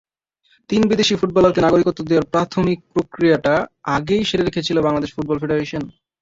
তিন বিদেশি ফুটবলারকে নাগরিকত্ব দেওয়ার প্রাথমিক প্রক্রিয়াটা আগেই সেরে রেখেছিল বাংলাদেশ ফুটবল ফেডারেশন।